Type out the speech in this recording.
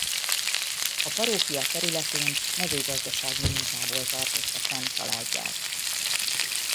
A parókia területén mezőgazdasági munkából tartotta fenn családját.